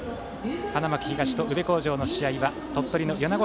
花巻東と宇部鴻城の試合は鳥取の米子